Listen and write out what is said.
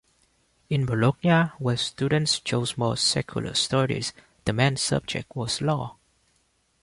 In Bologna, where students chose more secular studies, the main subject was law.